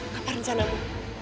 nah apa rencanamu